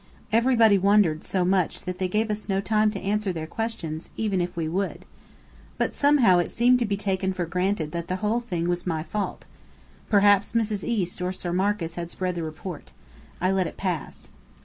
Everybody wondered so much that they gave us no time to answer their questions, even if we would. But somehow it seemed to be taken for granted that the whole thing was my fault. Perhaps Mrs. East or Sir Marcus had spread the report. I let it pass.